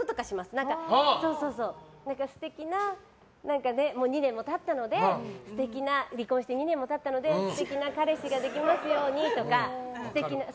もう離婚して２年も経ったので離婚して２年も経ったので素敵な彼氏ができますようにとか。